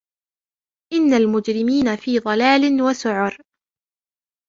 إِنَّ الْمُجْرِمِينَ فِي ضَلالٍ وَسُعُرٍ